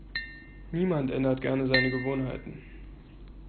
Niemand ändert gerne seine Gewohnheiten.